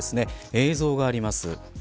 映像があります。